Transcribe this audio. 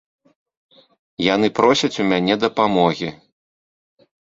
Яны просяць у мяне дапамогі.